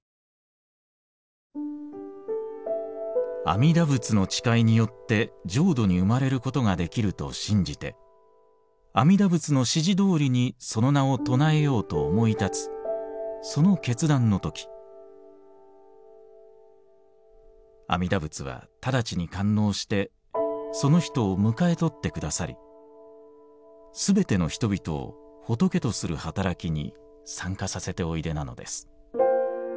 「阿弥陀仏の誓いによって浄土に生まれることができると信じて阿弥陀仏の指示どおりにその名を称えようと思い立つその決断の時阿弥陀仏はただちに感応してその人を迎えとってくださりすべての人々を仏とする働きに参加させておいでなのです」。